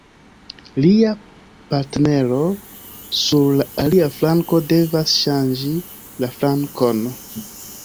Lia partnero sur la alia flanko devas ŝanĝi la flankon.